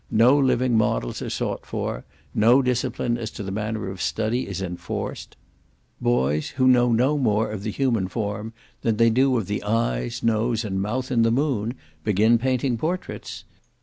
No living models are sought for; no discipline as to the manner of study is enforced. Boys who know no more of human form, than they do of the eyes, nose, and mouth in the moon, begin painting portraits.